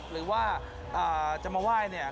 หรือว่าจะมาไหว้เนี่ย